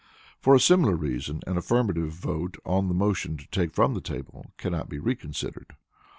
For a similar reason, an affirmative vote on the motion to take from the table cannot be reconsidered.